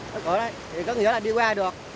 nó cửa đây thì có nghĩa là đi qua được